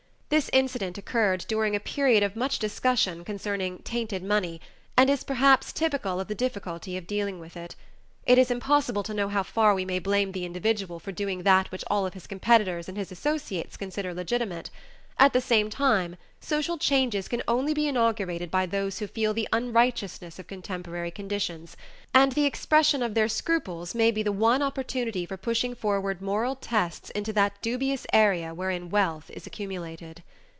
This incident occurred during a period of much discussion concerning "tainted money" and is perhaps typical of the difficulty of dealing with it. It is impossible to know how far we may blame the individual for doing that which all of his competitors and his associates consider legitimate; at the same time, social changes can only be inaugurated by those who feel the unrighteousness of contemporary conditions, and the expression of their scruples may be the one opportunity for pushing forward moral tests into that dubious area wherein wealth is accumulated.